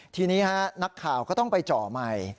ทีนี้นักข่าวก็ต้องไปเจาะใหม่